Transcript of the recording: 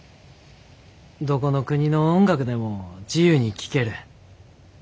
どこの国の音楽でも自由に聴ける。